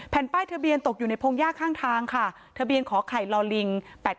ป้ายทะเบียนตกอยู่ในพงหญ้าข้างทางค่ะทะเบียนขอไข่ลอลิง๘๘